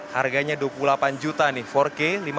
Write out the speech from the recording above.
harganya dua puluh delapan juta nih empat k